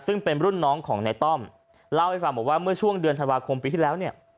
ซึ่งเป็นรุ่นน้องของในต้อมเล่าให้ฟังบอกว่าเมื่อช่วงเดือนธันวาคมปีที่แล้วเนี่ย